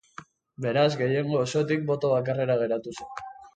Beraz, gehiengo osotik boto bakarrera geratu zen.